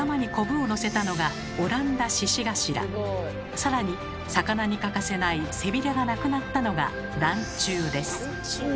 さらに魚に欠かせない背びれがなくなったのが「ランチュウ」です。